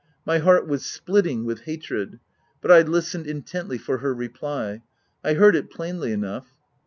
My heart was splitting with hatred; but I listened in tently for her reply. I heard it plainly enough.